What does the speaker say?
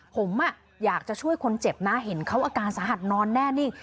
ผมอยากจะช่วยคนเจ็บนะเห็นเขาอาการสาหัสนอนแน่นิ่ง